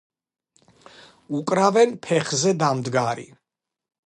უკრავენ ფეხზე დამდგარი.